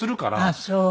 あっそう。